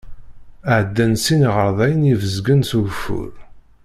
Ɛeddan-d sin iɣerdayen ibezgen s ugeffur.